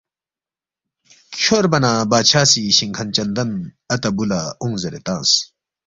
کھیوربا نہ بادشاہ سی شِنگ کھن چندن اتا بُو لہ اونگ زیرے تنگس